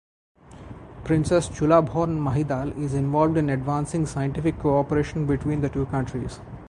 Princess Chulabhorn Mahidal is involved in advancing scientific cooperation between the two countries.